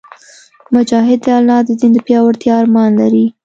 مجاهد د الله د دین د پیاوړتیا ارمان لري.